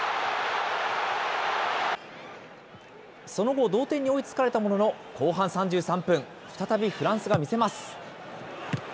その後、同点に追いつかれたものの、後半３３分、再びフランスが見せます。